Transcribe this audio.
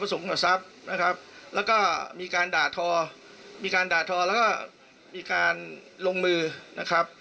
สมกับทรัพย์นะครับแล้วก็มีการด่าทอมีการด่าทอแล้วก็มีการลงมือนะครับ